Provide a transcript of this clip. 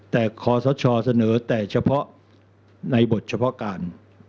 แต่ขอสชเสนอแต่เฉพาะในบทเฉพาะการ